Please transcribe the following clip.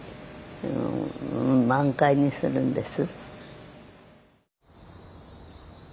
満開にするんです。